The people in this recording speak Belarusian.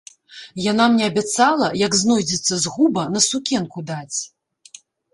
Яна мне абяцала, як знойдзецца згуба, на сукенку даць.